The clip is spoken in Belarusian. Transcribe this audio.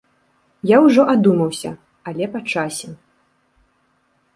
Я ўжо адумаўся, але па часе.